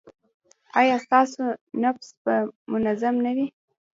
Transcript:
ایا ستاسو نبض به منظم نه وي؟